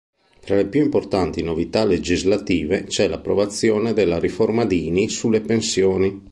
Fra le più importanti novità legislative, c'è l'approvazione della riforma Dini sulle pensioni.